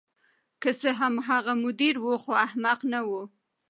که څه هم هغه مدیر و خو احمق نه و